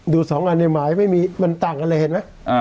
สองอันในหมายไม่มีมันต่างกันเลยเห็นไหม